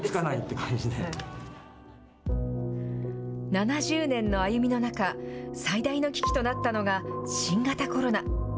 ７０年の歩みの中、最大の危機となったのが新型コロナ。